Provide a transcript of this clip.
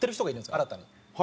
新たに。